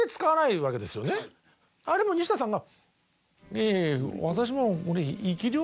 あれも西田さんが。